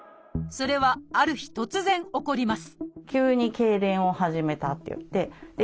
それはある日突然起こります